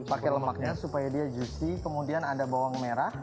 pakai lemaknya supaya dia juicy kemudian ada bawang merah